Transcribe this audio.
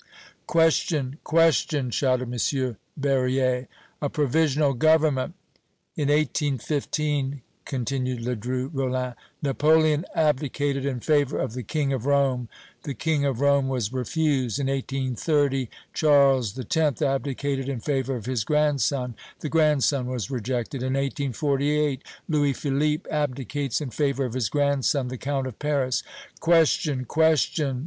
"Question question!" shouted M. Berryer. "A provisional government!" "In 1815," continued Ledru Rollin, "Napoleon abdicated in favor of the King of Rome. The King of Rome was refused. In 1830, Charles X. abdicated in favor of his grandson. The grandson was rejected. In 1848, Louis Philippe abdicates in favor of his grandson the Count of Paris!" "Question question!"